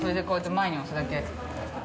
前に押すだけ。